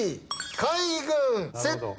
海軍セット。